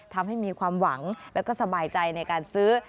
ทำให้มีความหวังแล้วก็สบายใจในการซื้อ